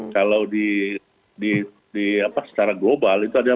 kalau secara global itu ada